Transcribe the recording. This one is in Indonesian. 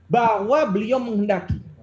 bahwa beliau menghendaki